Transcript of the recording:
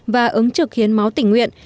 và ứng trực hiến máu tình nguyện